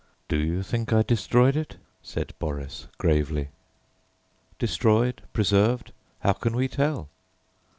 "Do you think I destroyed it?" said Boris gravely. "Destroyed, preserved, how can we tell?"